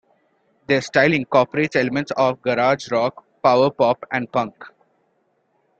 Their style incorporates elements of garage rock, power pop and punk.